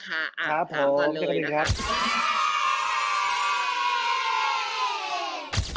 ครับพร้อม